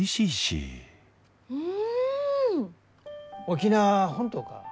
沖縄は本島か？